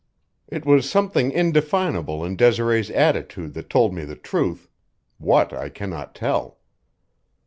It was something indefinable in Desiree's attitude that told me the truth what, I cannot tell.